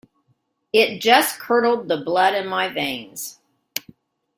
It just curdled the blood in my veins.